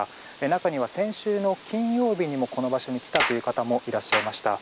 中には、先週の金曜日にもこの場所に来たという方もいらっしゃいました。